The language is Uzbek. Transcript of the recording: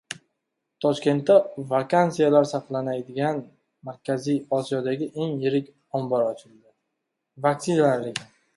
Toshkentda vaksinalar saqlanadigan Markaziy Osiyodagi eng yirik ombor ochildi